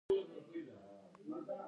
د سرپل په بلخاب کې د مسو لوی کان دی.